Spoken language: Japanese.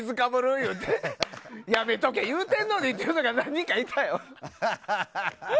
言うてやめとけ言うとんのにって何人かいたよ。